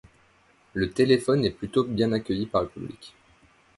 Le téléphone est plutôt bien accueilli par le public.